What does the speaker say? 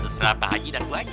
tidak apa haji dan bu haji